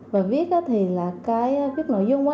và viết thì là cái viết nội dung đó